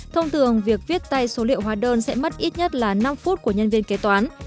thông thường việc viết tay số liệu hóa đơn sẽ mất ít nhất là năm phút của nhân viên kế toán